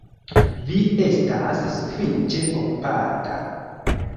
Vi estas sufiĉe okupata.